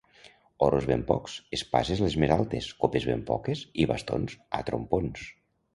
Oros ben pocs, espases les més altes, copes ben poques i bastons a trompons.